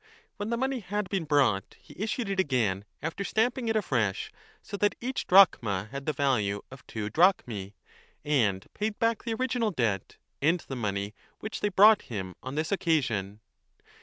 When the money had been brought, he 30 issued it again after stamping it afresh so that each drachma had the value of two drachmae, and paid back the original debt and the money which they brought him on this occasion.